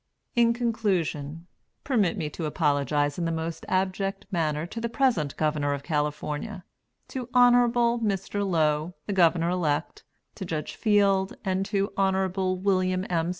In conclusion, permit me to apologize in the most abject manner to the present Governor of California, to Hon. Mr. Low, the Governor elect, to Judge Field and to Hon. Wm. M.